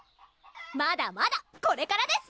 まだまだこれからです